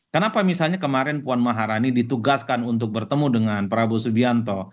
kenapa misalnya kemarin puan maharani ditugaskan untuk bertemu dengan prabowo subianto